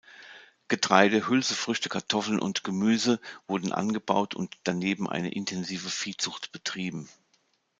Getreide, Hülsenfrüchte, Kartoffeln und Gemüse wurden angebaut und daneben eine intensive Viehzucht betrieben.